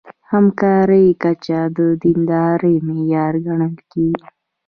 همکارۍ کچه د دیندارۍ معیار ګڼل کېږي.